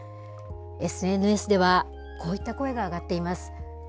ＳＮＳでは、こういった声が上がっています。